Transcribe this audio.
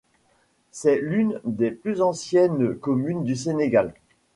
C'est l'une des plus anciennes communes du Sénégal.